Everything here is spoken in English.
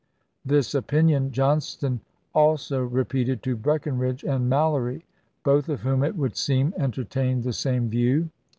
This opinion Johnston also repeated to Breckinridge and Mallory, both of whom, it would seem, entertained the same view.